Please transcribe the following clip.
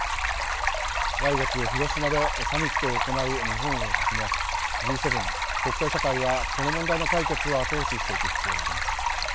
来月、広島でサミットを行う日本をはじめ、Ｇ７国際社会は、この問題の解決を後押ししていく必要があります。